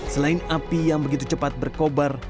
selain api yang begitu cepat berkobar